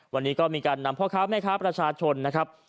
วันนี้ก็มีการนำพ่อค้าแม่ค้าประชาชนนะครับ